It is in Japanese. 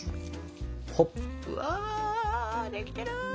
うわできてる！